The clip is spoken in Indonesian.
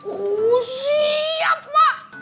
oh siap emak